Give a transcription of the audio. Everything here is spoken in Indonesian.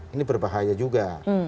ini berbahaya juga